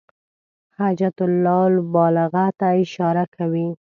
حجة الله البالغة ته اشاره کوي.